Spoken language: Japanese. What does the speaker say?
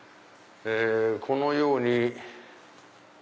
このように。